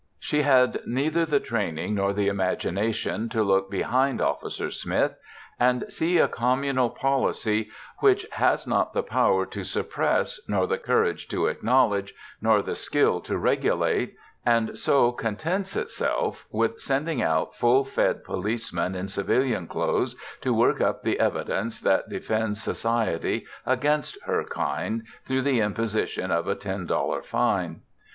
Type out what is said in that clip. She had neither the training nor the imagination to look behind Officer Smith and see a communal policy which has not the power to suppress, nor the courage to acknowledge, nor the skill to regulate, and so contents itself with sending out full fed policemen in civilian clothes to work up the evidence that defends society against her kind through the imposition of a ten dollar fine.